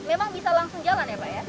memang bisa langsung jalan ya pak ya